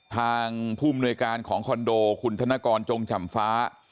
ทางผู้มนวยการของคอนโดคุณธนกรจงจำฟ้า